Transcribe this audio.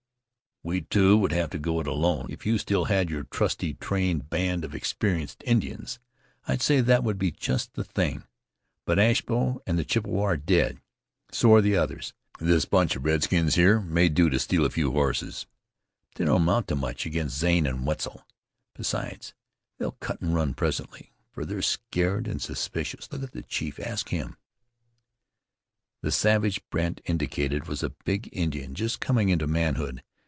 "We two would have to go it alone. If you still had your trusty, trained band of experienced Indians, I'd say that would be just the thing. But Ashbow and the Chippewa are dead; so are the others. This bunch of redskins here may do to steal a few horses; but they don't amount to much against Zane and Wetzel. Besides, they'll cut and run presently, for they're scared and suspicious. Look at the chief; ask him." The savage Brandt indicated was a big Indian just coming into manhood.